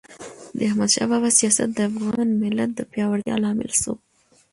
د احمد شاه بابا سیاست د افغان ملت د پیاوړتیا لامل سو.